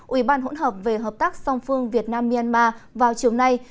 ủy ban hỗn hợp về hợp tác song phương việt nam myanmar vào chiều nay